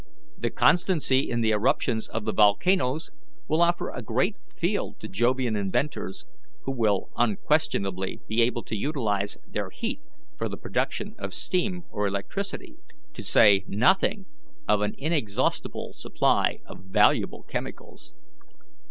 The constancy in the eruptions of the volcanoes will offer a great field to Jovian inventors, who will unquestionably be able to utilize their heat for the production of steam or electricity, to say nothing of an inexhaustible supply of valuable chemicals.